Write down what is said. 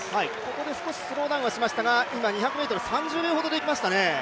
ここで少しスローダウンはしましたが今、２００ｍ３０秒ほどで行きましたね。